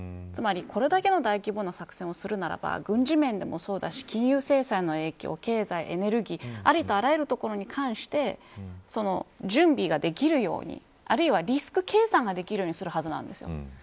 つまり、これだけの大規模な作戦をするならば軍事面でもそうだし金融制裁の影響経済、エネルギーありとあらゆるところに関して準備ができるようにあるいはリスク計算ができるようにするはずなんです。